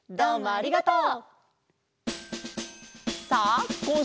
ありがとう！